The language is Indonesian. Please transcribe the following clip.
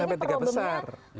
tapi sampai tiga besar